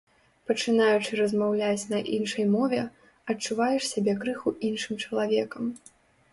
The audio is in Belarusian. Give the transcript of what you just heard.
Пачынаючы размаўляць на іншай мове, адчуваеш сябе крыху іншым чалавекам.